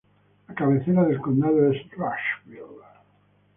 La cabecera del condado es Rushville.